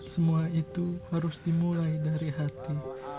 semua itu harus dimulai dari hati